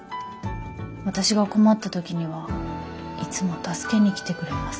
私が困った時にはいつも助けに来てくれます」。